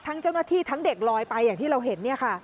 เจ้าหน้าที่ทั้งเด็กลอยไปอย่างที่เราเห็น